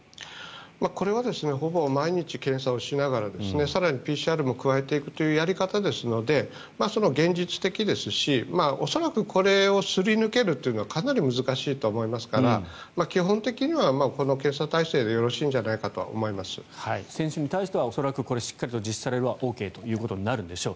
これはほぼ毎日、検査をしながら更にＰＣＲも加えていくというやり方ですので現実的ですし恐らくこれをすり抜けるというのはかなり難しいと思いますから基本的にはこの検査体制でよろしいんじゃないかと選手に対しては恐らく実施されればＯＫとなるんでしょう。